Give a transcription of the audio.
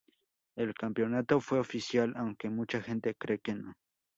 El campeonato fue oficial aunque mucha gente cree que no.